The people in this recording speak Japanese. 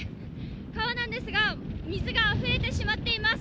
川なんですが水があふれてしまっています。